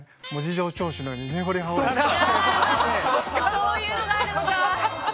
そういうのがあるのか！